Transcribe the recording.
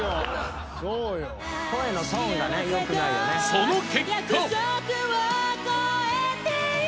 ［その結果］